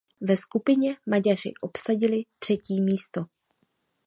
Ve skupině Maďaři obsadili třetí místo.